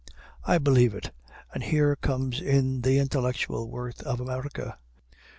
I believe it; and here comes in the intellectual worth of America.